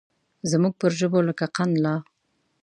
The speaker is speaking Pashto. زموږ پر ژبو لکه قند لا